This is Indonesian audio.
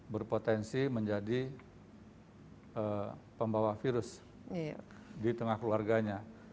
berpotensi menjadi pembawa virus di tengah keluarganya